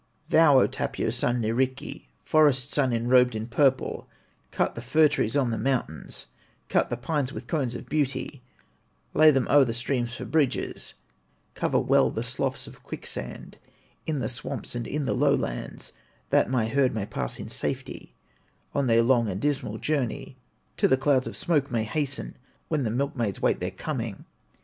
"Thou, O Tapio's son, Nyrikki, Forest son, enrobed in purple, Cut the fir trees on the mountains, Cut the pines with cones of beauty, Lay them o'er the streams for bridges, Cover well the sloughs of quicksand, In the swamps and in the lowlands, That my herd may pass in safety, On their long and dismal journey, To the clouds of smoke may hasten, Where the milkmaids wait their coming.